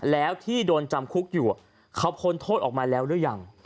แล้วที่โดนจำคุกอยู่เขาพ้นโทษออกมาแล้วหรือยัง